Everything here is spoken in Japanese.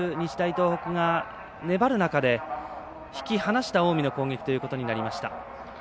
東北が粘る中で引き離した近江の攻撃となりました。